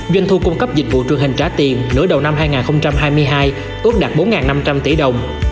doanh thu cung cấp dịch vụ truyền hình trả tiền nửa đầu năm hai nghìn hai mươi hai ước đạt bốn năm trăm linh tỷ đồng